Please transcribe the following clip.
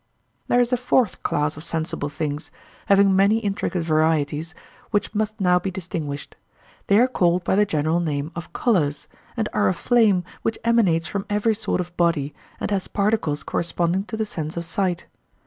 There is a fourth class of sensible things, having many intricate varieties, which must now be distinguished. They are called by the general name of colours, and are a flame which emanates from every sort of body, and has particles corresponding to the sense of sight.